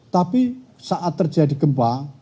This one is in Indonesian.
tapi saat terjadi gempa